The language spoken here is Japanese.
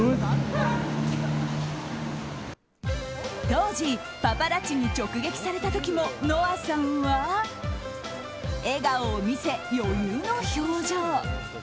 当時、パパラッチに直撃された時もノアさんは笑顔を見せ、余裕の表情。